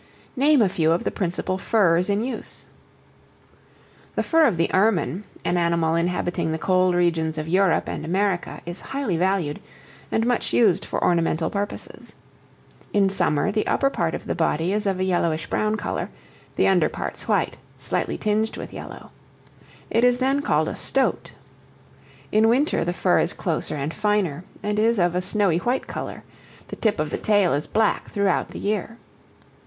Name a few of the principal furs in use. The fur of the ermine, an animal inhabiting the cold regions of Europe and America, is highly valued, and much used for ornamental purposes. In summer, the upper part of the body is of a yellowish brown color; the under parts white, slightly tinged with yellow. It is then called a stoat. In winter, the fur is closer and finer, and is of a snowy white color; the tip of the tail is black throughout the year.